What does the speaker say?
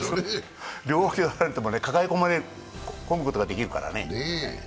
両脇こられても抱え込むことができるからね。